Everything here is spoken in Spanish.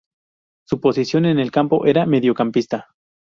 Su posición en el campo era mediocampista.